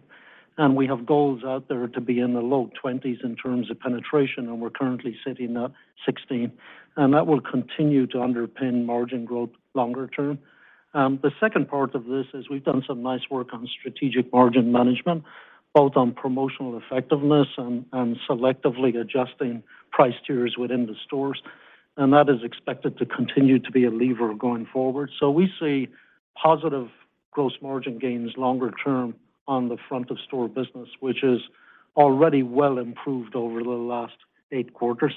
We have goals out there to be in the low 20s in terms of penetration, and we're currently sitting at 16, and that will continue to underpin margin growth longer term. The second part of this is we've done some nice work on strategic margin management, both on promotional effectiveness and selectively adjusting price tiers within the stores, and that is expected to continue to be a lever going forward. We see positive gross margin gains longer term on the front of store business, which is already well improved over the last eight quarters.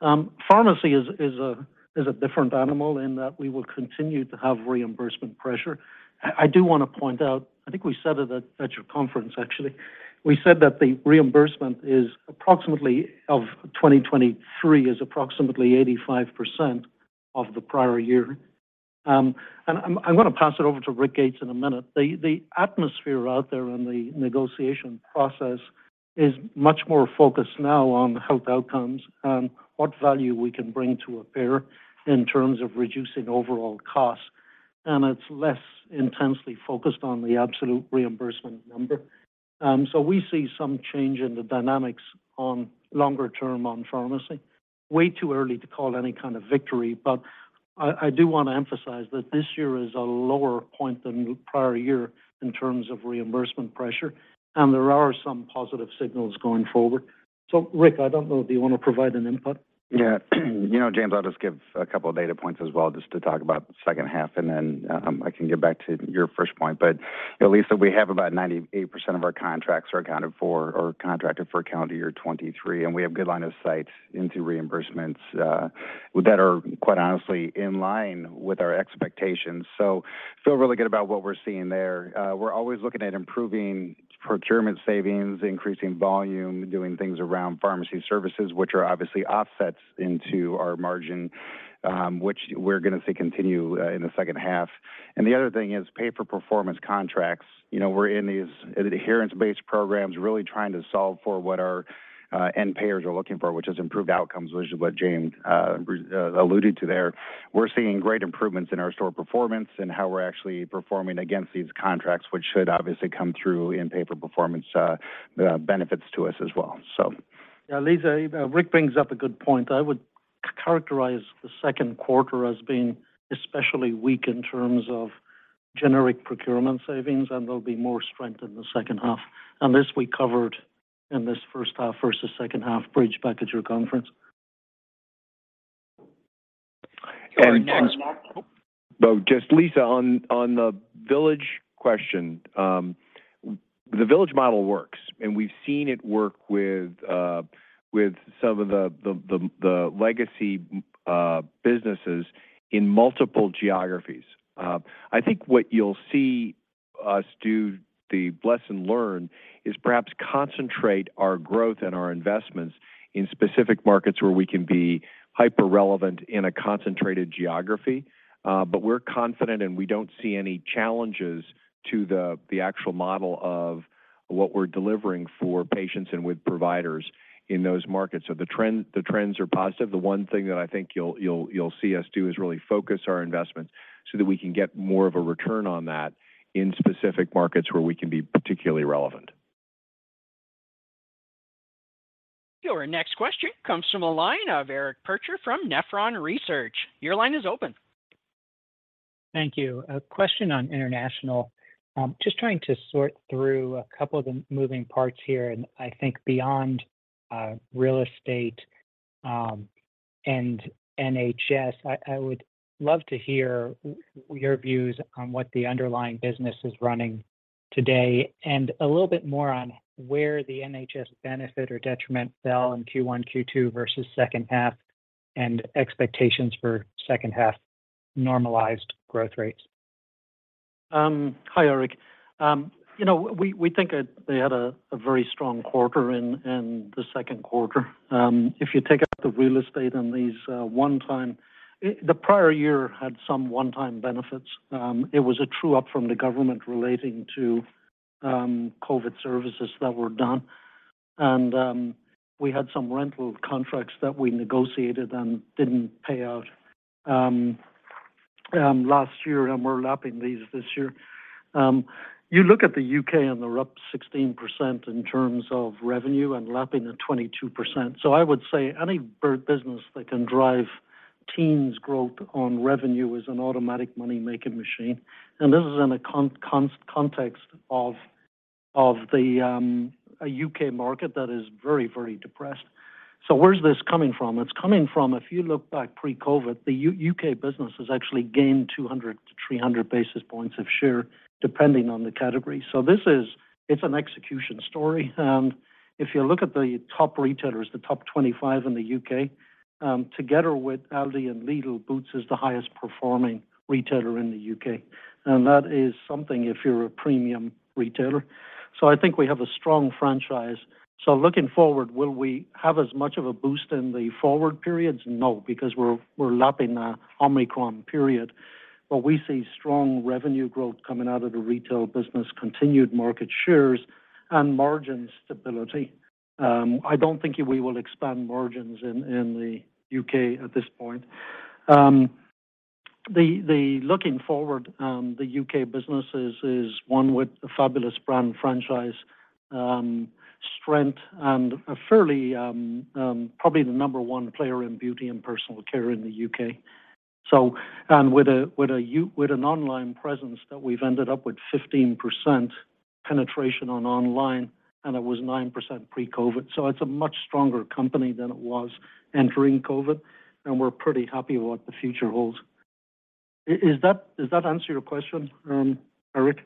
Pharmacy is a different animal in that we will continue to have reimbursement pressure. I do wanna point out, I think we said it at your conference actually. We said that the reimbursement is approximately 85% of the prior year. And I'm gonna pass it over to Rick Gates in a minute. The atmosphere out there on the negotiation process is much more focused now on health outcomes and what value we can bring to a payer in terms of reducing overall costs, and it's less intensely focused on the absolute reimbursement number. We see some change in the dynamics on longer term on pharmacy. Way too early to call any kind of victory, but I do wanna emphasize that this year is a lower point than the prior year in terms of reimbursement pressure, and there are some positive signals going forward. Rick, I don't know if you wanna provide an input. Yeah. You know, James, I'll just give a couple data points as well just to talk about second half. Then, I can get back to your first point. You know, Lisa, we have about 98% of our contracts are accounted for or contracted for calendar year 23, and we have good line of sight into reimbursements that are quite honestly in line with our expectations. Feel really good about what we're seeing there. We're always looking at improving procurement savings, increasing volume, doing things around pharmacy services, which are obviously offsets into our margin, which we're gonna see continue in the second half. The other thing is pay-for-performance contracts. You know, we're in these adherence-based programs really trying to solve for what our end payers are looking for, which is improved outcomes, which is what James alluded to there. We're seeing great improvements in our store performance and how we're actually performing against these contracts, which should obviously come through in pay-for-performance benefits to us as well. Yeah. Lisa, Rick brings up a good point. I would characterize the second quarter as being especially weak in terms of generic procurement savings, and there'll be more strength in the second half. This we covered in this first half versus second half bridge back at your conference. And, and- Sorry, go on, Rick. No, just Lisa, on the VillageMD question. The VillageMD model works, and we've seen it work with some of the legacy businesses in multiple geographies. I think what you'll see us do the lesson learned is perhaps concentrate our growth and our investments in specific markets where we can be hyper-relevant in a concentrated geography. We're confident, and we don't see any challenges to the actual model of what we're delivering for patients and with providers in those markets. The trends are positive. The one thing that I think you'll see us do is really focus our investments so that we can get more of a return on that in specific markets where we can be particularly relevant. Your next question comes from a line of Eric Percher from Nephron Research. Your line is open. Thank you. A question on international. Just trying to sort through a couple of the moving parts here, and I think beyond real estate, and NHS, I would love to hear your views on what the underlying business is running today, and a little bit more on where the NHS benefit or detriment fell in Q1, Q2 versus second half, and expectations for second half normalized growth rates. Hi, Eric. You know, we think that they had a very strong quarter in the second quarter. If you take out the real estate and these one-time. The prior year had some one-time benefits. It was a true-up from the government relating to COVID-19 services that were done. We had some rental contracts that we negotiated and didn't pay out last year, and we're lapping these this year. You look at the U.K. and they're up 16% in terms of revenue and lapping at 22%. I would say any business that can drive teens growth on revenue is an automatic money-making machine. This is in a context of the U.K. market that is very, very depressed. Where's this coming from? It's coming from, if you look back pre-COVID, the U.K. business has actually gained 200-300 basis points of share, depending on the category. This is, it's an execution story. If you look at the top retailers, the top 25 in the U.K., together with Aldi and Lidl, Boots is the highest performing retailer in the U.K. That is something if you're a premium retailer. I think we have a strong franchise. Looking forward, will we have as much of a boost in the forward periods? No, because we're lapping a Omicron period. We see strong revenue growth coming out of the retail business, continued market shares, and margin stability. I don't think we will expand margins in the U.K. at this point. The looking forward, the U.K. business is one with a fabulous brand franchise, strength and a fairly, probably the number one player in beauty and personal care in the U.K. with an online presence that we've ended up with 15% penetration on online, and it was 9% pre-COVID. It's a much stronger company than it was entering COVID, and we're pretty happy what the future holds. Is that, does that answer your question, Eric?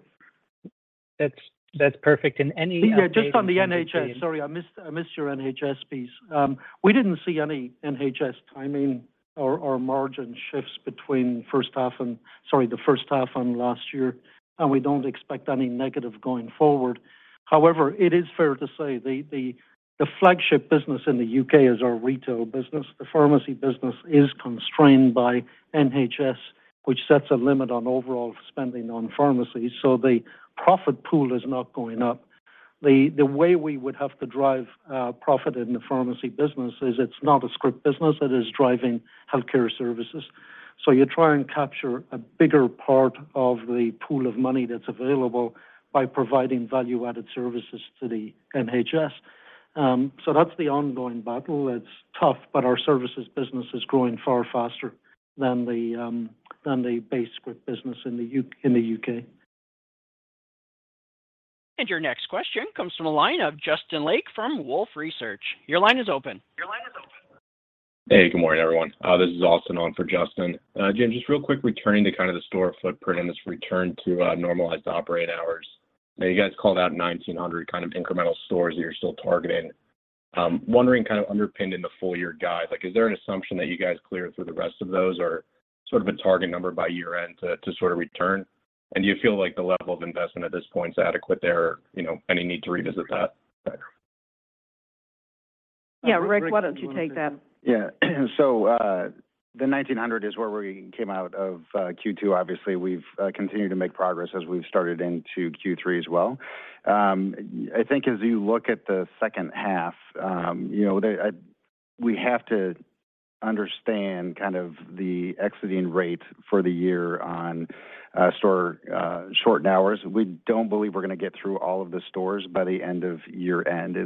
That's perfect. Any updates on the NHS? Just on the NHS. Sorry, I missed your NHS piece. We didn't see any NHS timing or margin shifts between the first half and last year, and we don't expect any negative going forward. However, it is fair to say the flagship business in the UK is our retail business. The pharmacy business is constrained by NHS, which sets a limit on overall spending on pharmacies. The profit pool is not going up. The way we would have to drive profit in the pharmacy business is it's not a script business, it is driving healthcare services. You try and capture a bigger part of the pool of money that's available by providing value-added services to the NHS. That's the ongoing battle. It's tough, our services business is growing far faster than the base script business in the UK. Your next question comes from a line of Justin Lake from Wolfe Research. Your line is open. Your line is open. Hey, good morning, everyone. This is Austin on for Justin. Jim, just real quick, returning to kind of the store footprint and this return to normalized operating hours. You guys called out 1,900 kind of incremental stores that you're still targeting. Wondering kind of underpinned in the full year guide. Is there an assumption that you guys cleared through the rest of those or sort of a target number by year-end to sort of return? Do you feel like the level of investment at this point is adequate there? You know, any need to revisit that? Yeah. Rick, why don't you take that? The 1,900 is where we came out of Q2. Obviously, we've continued to make progress as we've started into Q3 as well. I think as you look at the second half, you know, We have to understand kind of the exiting rate for the year on store shortened hours. We don't believe we're gonna get through all of the stores by the end of year-end.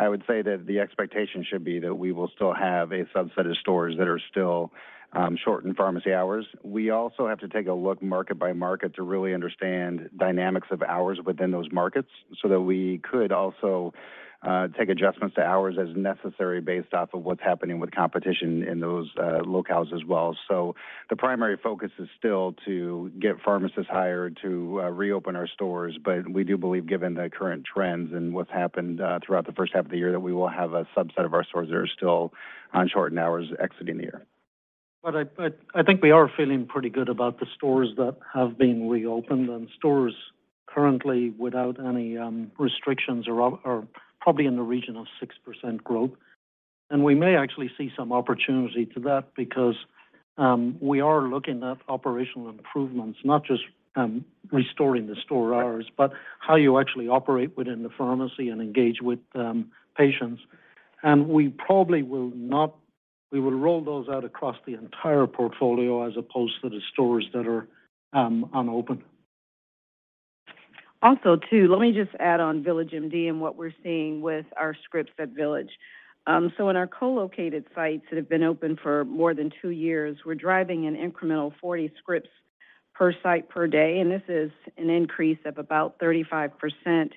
I would say that the expectation should be that we will still have a subset of stores that are still shortened pharmacy hours. We also have to take a look market by market to really understand dynamics of hours within those markets so that we could also take adjustments to hours as necessary based off of what's happening with competition in those locales as well. The primary focus is still to get pharmacists hired to reopen our stores. We do believe, given the current trends and what's happened throughout the first half of the year, that we will have a subset of our stores that are still on shortened hours exiting the year. I think we are feeling pretty good about the stores that have been reopened. Stores currently without any restrictions are probably in the region of 6% growth. We may actually see some opportunity to that because we are looking at operational improvements, not just restoring the store hours, but how you actually operate within the pharmacy and engage with patients. We probably will not. We will roll those out across the entire portfolio as opposed to the stores that are unopen. Let me just add on VillageMD and what we're seeing with our scripts at Village. In our co-located sites that have been open for more than two years, we're driving an incremental 40 scripts per site per day, and this is an increase of about 35%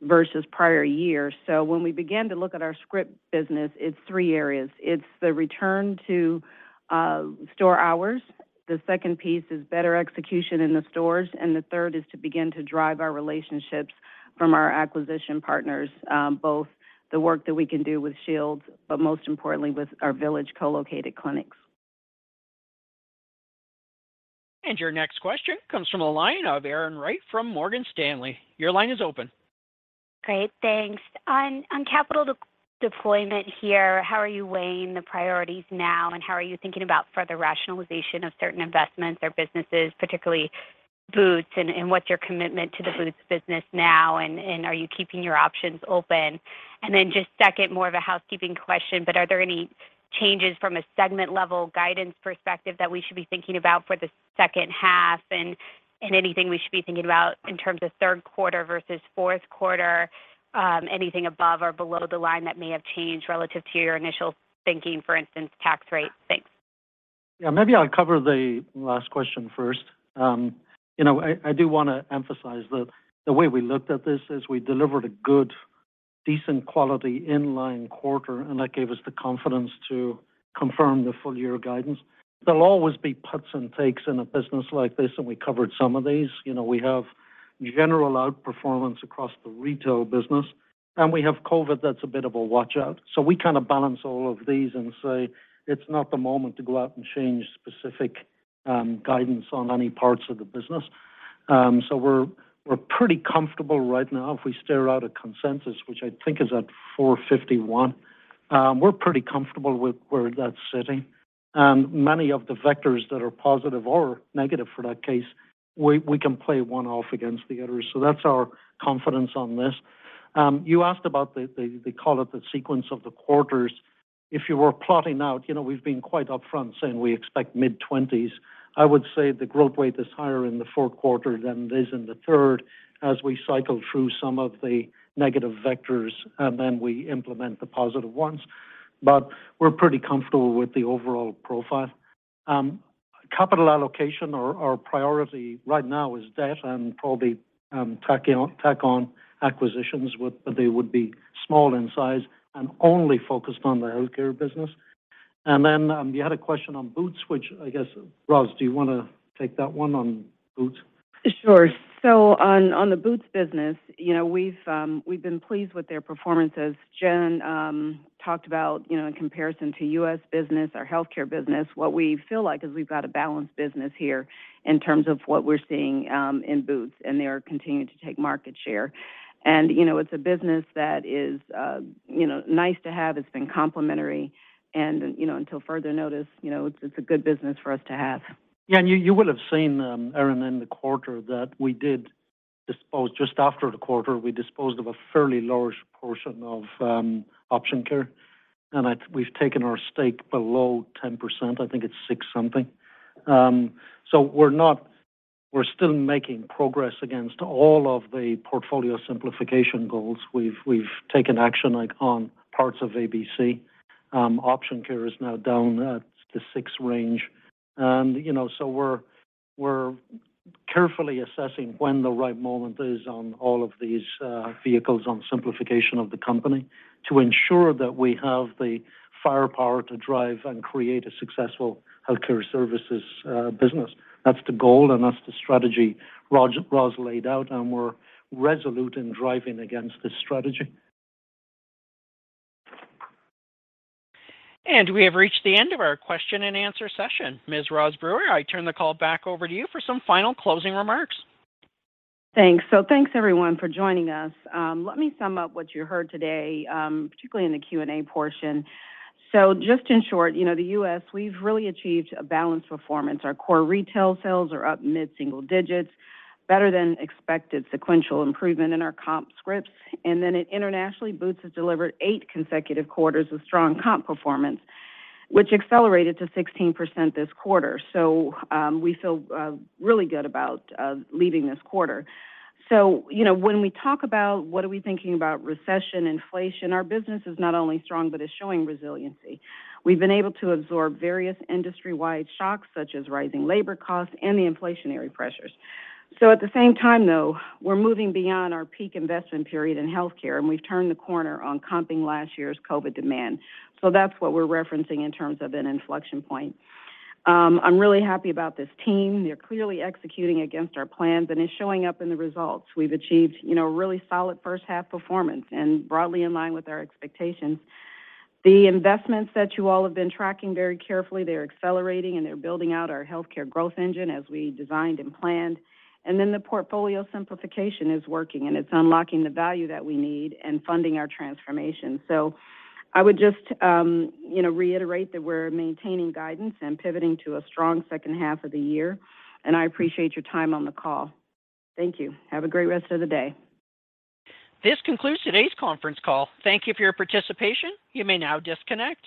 versus prior years. When we begin to look at our script business, it's three areas. It's the return to store hours. The second piece is better execution in the stores, and the third is to begin to drive our relationships from our acquisition partners, both the work that we can do with Shields, but most importantly with our Village co-located clinics. Your next question comes from the line of Erin Wright from Morgan Stanley. Your line is open. Great. Thanks. On, on capital de-deployment here, how are you weighing the priorities now, and how are you thinking about further rationalization of certain investments or businesses, particularly Boots? What's your commitment to the Boots business now? Are you keeping your options open? Just second, more of a housekeeping question, but are there any changes from a segment-level guidance perspective that we should be thinking about for the second half, and anything we should be thinking about in terms of third quarter versus fourth quarter? Anything above or below the line that may have changed relative to your initial thinking, for instance, tax rate? Thanks. Yeah, maybe I'll cover the last question first. You know, I do wanna emphasize that the way we looked at this is we delivered a good, decent quality in-line quarter, that gave us the confidence to confirm the full year guidance. There'll always be puts and takes in a business like this, we covered some of these. You know, we have general outperformance across the retail business, we have COVID that's a bit of a watch-out. We kinda balance all of these and say it's not the moment to go out and change specific guidance on any parts of the business. We're, we're pretty comfortable right now if we stare out a consensus, which I think is at $4.51. We're pretty comfortable with where that's sitting. Many of the vectors that are positive or negative for that case, we can play one off against the other. That's our confidence on this. You asked about the, they call it the sequence of the quarters. If you were plotting out, you know, we've been quite upfront saying we expect mid-twenties. I would say the growth rate is higher in the fourth quarter than it is in the third as we cycle through some of the negative vectors, and then we implement the positive ones. We're pretty comfortable with the overall profile. Capital allocation or priority right now is debt and probably, tack on acquisitions, but they would be small in size and only focused on the healthcare business. You had a question on Boots, which I guess, Roz, do you wanna take that one on Boots? Sure. On the Boots business, you know, we've been pleased with their performance as Jen talked about, you know, in comparison to U.S. business, our healthcare business. What we feel like is we've got a balanced business here in terms of what we're seeing in Boots, and they are continuing to take market share. You know, it's a business that is, you know, nice to have. It's been complementary and, you know, until further notice, you know, it's a good business for us to have. Yeah, you will have seen, Erin, in the quarter. Just after the quarter, we disposed of a fairly large portion of Option Care. We've taken our stake below 10%. I think it's six-something. We're still making progress against all of the portfolio simplification goals. We've taken action like on parts of ABC. Option Care is now down at the six range. You know, we're carefully assessing when the right moment is on all of these vehicles on simplification of the company to ensure that we have the firepower to drive and create a successful healthcare services business. That's the goal, and that's the strategy Roz laid out, and we're resolute in driving against this strategy. We have reached the end of our question and answer session. Ms. Roz Brewer, I turn the call back over to you for some final closing remarks. Thanks. Thanks everyone for joining us. Let me sum up what you heard today, particularly in the Q&A portion. Just in short, you know, the U.S., we've really achieved a balanced performance. Our core retail sales are up mid-single digits, better than expected sequential improvement in our comp scripts. At internationally, Boots has delivered eight consecutive quarters of strong comp performance, which accelerated to 16% this quarter. We feel really good about leaving this quarter. You know, when we talk about what are we thinking about recession, inflation, our business is not only strong but is showing resiliency. We've been able to absorb various industry-wide shocks, such as rising labor costs and the inflationary pressures. At the same time, though, we're moving beyond our peak investment period in healthcare, and we've turned the corner on comping last year's COVID demand. That's what we're referencing in terms of an inflection point. I'm really happy about this team. They're clearly executing against our plans, and it's showing up in the results. We've achieved, you know, really solid first half performance and broadly in line with our expectations. The investments that you all have been tracking very carefully, they're accelerating, and they're building out our healthcare growth engine as we designed and planned. The portfolio simplification is working, and it's unlocking the value that we need and funding our transformation. I would just, you know, reiterate that we're maintaining guidance and pivoting to a strong second half of the year, and I appreciate your time on the call. Thank you. Have a great rest of the day. This concludes today's conference call. Thank Thank you for your participation. You may now disconnect.